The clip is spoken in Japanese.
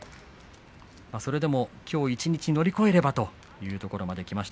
それでもきょう一日を乗り越えればというところまでできました